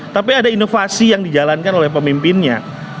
tapi ada inovasi yang dijalankan oleh pemimpinnya